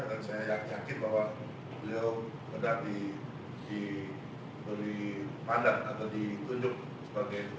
dan saya yakin bahwa beliau sudah diberi pandan atau ditunjuk sebagai plp